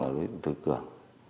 đối tượng đức cường